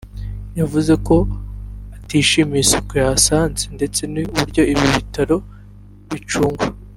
yavuze ko atishimiye isuku yahasanze ndetse n’uburyo ibi bitaro bicungwa